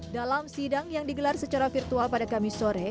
dalam sidang yang digelar secara virtual pada kamis sore